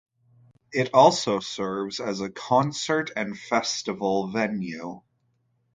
It also serves as a concert and festival venue.